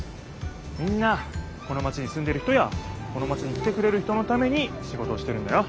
みんなこのマチにすんでる人やこのマチに来てくれる人のためにシゴトをしてるんだよ。